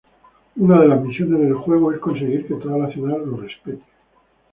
Una de las misiones del juego es conseguir que toda la ciudad lo respete.